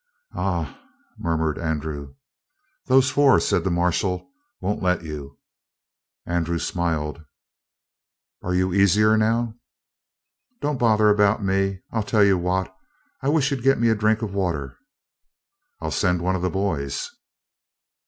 "Ah?" murmured Andrew. "Those four," said the marshal, "won't let you." Andrew smiled. "Are you easier now?" "Don't bother about me. I'll tell you what I wish you'd get me a drink of water." "I'll send one of the boys."